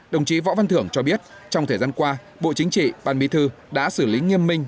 đồng chí võ văn thưởng cho biết trong thời gian qua bộ chính trị ban bí thư đã xử lý nghiêm minh